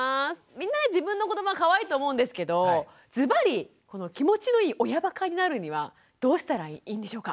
みんな自分の子どもはかわいいと思うんですけどずばり気持ちのいい親バカになるにはどうしたらいいんでしょうか？